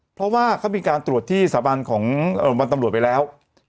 เพราะว่าเขามีการตรวจที่สถาบันของวันตำรวจไปแล้ว